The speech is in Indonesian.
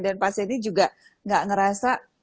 dan pasien ini juga tidak merasa